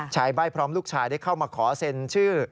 ใบ้พร้อมลูกชายได้เข้ามาขอเซ็นชื่อ